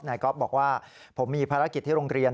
ก๊อฟบอกว่าผมมีภารกิจที่โรงเรียน